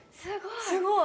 すごい！